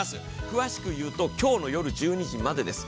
詳しく言うと、今日の夜１２時までです。